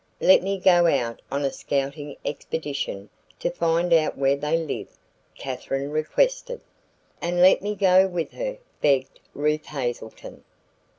"Let me go out on a scouting expedition to find out where they live," Katherine requested. "And let me go with her," begged Ruth Hazelton.